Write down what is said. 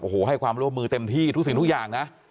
โอ้โหให้ความร่วมมือเต็มที่ทุกสิ่งทุกอย่างนะ